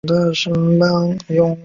卢尔河畔科尔尼隆。